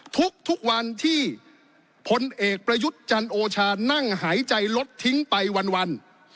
ทุกวันที่พลเอกประยุทธ์จันโอชานั่งหายใจลดทิ้งไปวัน